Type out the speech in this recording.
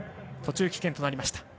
途中棄権となりました。